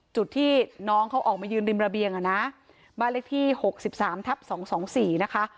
จุดที่น้องเขาออกมายืนริมระเบียงอ่ะนะบ้านเลขที่หกสิบสามทับสองสองสี่นะคะ